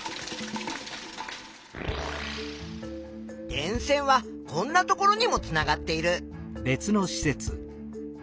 電線はこんな所にもつながっている。